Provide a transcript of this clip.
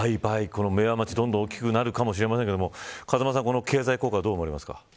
明和町がどんどん大きくなるかもしれませんが風間さん、この経済効果等もありますか。